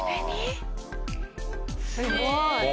すごい。